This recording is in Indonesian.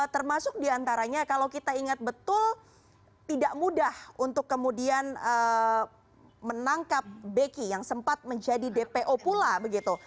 termasuk diantaranya kalau kita ingat betul tidak mudah untuk kemudian menangkap beki yang sempat menjadi dpo pula begitu